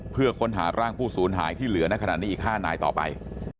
เพื่อค้นหาร่างผู้สูญหายที่เหลือในขณะนี้อีก๕นายต่อไป